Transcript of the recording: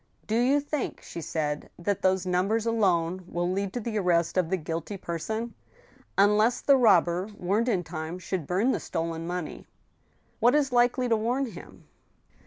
Do you think," she said, " that those numbers alone will lead to the arrest of the guilty person ?" ''Unless the robber, warned in time, should bum the stolen money," I40 THE STEEL HAMMER. " What IS likely to warn him